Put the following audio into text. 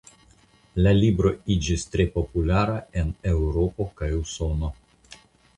La libro iĝis tre populara en Eŭropo kaj Usono.